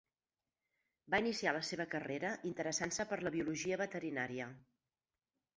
Va iniciar la seva carrera interessant-se per la biologia veterinària.